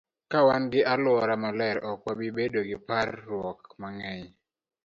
Ka wan gi alwora maler, ok wabi bedo gi par ruok mang'eny.